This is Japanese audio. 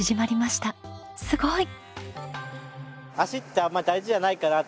すごい！